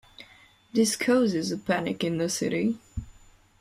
This causes a panic in the city.